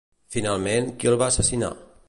Finalment, qui el va assassinar?